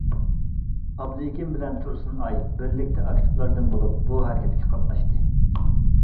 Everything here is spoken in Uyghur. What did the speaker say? ئابلىكىم بىلەن تۇرسۇنئاي بىرلىكتە ئاكتىپلاردىن بولۇپ بۇ ھەرىكەتكە قاتناشتى.